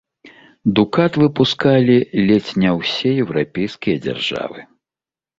Дукат выпускалі ледзь не ўсе еўрапейскія дзяржавы.